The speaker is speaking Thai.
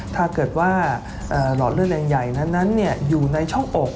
ถ้าเกิดว่าหลอดเลือดแรงใหญ่นั้นอยู่ในช่องอก